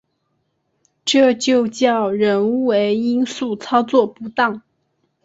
这就叫人为因素操作不当